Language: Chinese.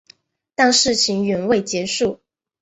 但事情远未结束。